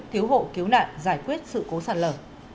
cứu hộ cứu nạn giải quyết sự cố sạt lở